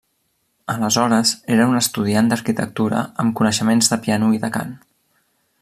Aleshores era un estudiant d'arquitectura amb coneixements de piano i de cant.